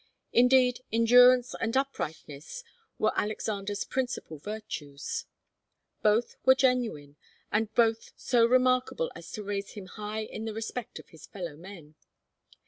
Indeed, endurance and uprightness were Alexander's principal virtues. Both were genuine, and both were so remarkable as to raise him high in the respect of his fellow men.